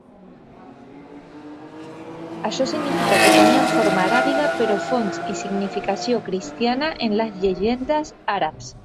Això significa que tenien forma aràbiga però fons i significació cristiana en les llegendes àrabs.